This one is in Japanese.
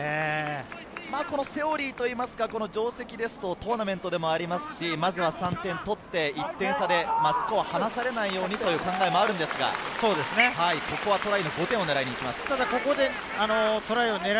このセオリーといいますか、定石ですとトーナメントでもありますし、まずは３点取って１点差でスコアを離されないようにという考えがあるのですが、トライの５点を狙いにいきます。